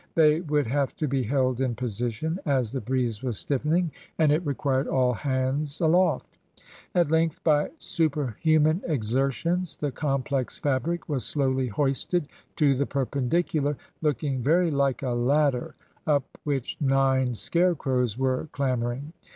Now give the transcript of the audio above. They would have to be held in position, as the breeze was stiffening, and it required all hands aloft. At length, by superhuman exertions, the complex fabric was slowly hoisted to the perpendicular, looking very like a ladder, up which nine scarecrows were clambering.